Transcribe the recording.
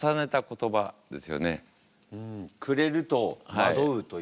「暮れる」と「惑う」という。